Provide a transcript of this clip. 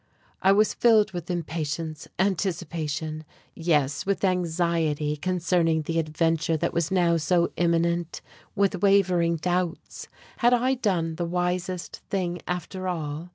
I was filled with impatience, anticipation, yes, with anxiety concerning the adventure that was now so imminent; with wavering doubts. Had I done the wisest thing after all?